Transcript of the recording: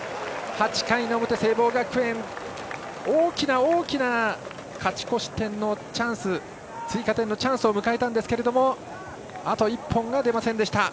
８回の表、聖望学園大きな大きな勝ち越し点のチャンス追加点のチャンスを迎えたんですけどあと一本が出ませんでした。